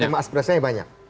yang mengaspirasikannya banyak